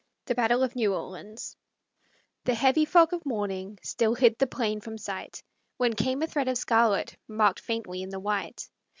THE BATTLE OF NEW ORLEANS The heavy fog of morning Still hid the plain from sight, When came a thread of scarlet Marked faintly in the white.